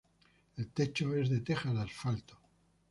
El techo es de tejas de asfalto.